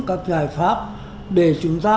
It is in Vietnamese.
các giải pháp để chúng ta